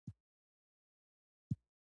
زړه د وینې دوران کنټرولوي.